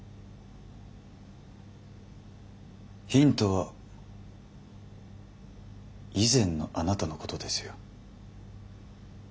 ヒントは以前のあなたのことですよ。